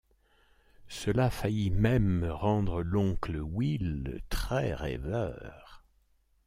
Cela faillit même rendre l’oncle Will très rêveur.